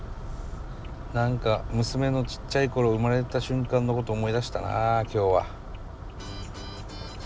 何か娘のちっちゃい頃生まれた瞬間のこと思い出したなあ今日は。